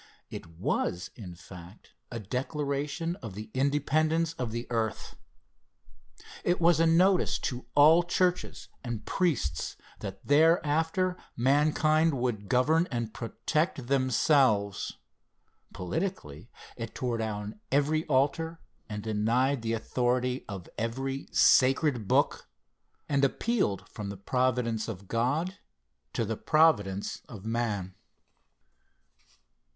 It was in fact a declaration of the independence of the earth. It was a notice to all churches and priests that thereafter mankind would govern and protect themselves. Politically it tore down every altar and denied the authority of every "sacred book," and appealed from the Providence of God to the Providence of Man.